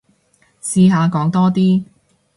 試下講多啲